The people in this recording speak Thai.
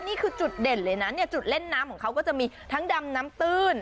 นี่คือจุดเด่นเลยนะเนี่ยจุดเล่นน้ำของเขาก็จะมีทั้งดำน้ำตื้น